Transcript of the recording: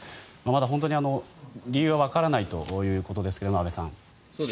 まだ本当に理由はわからないということですが安部さん。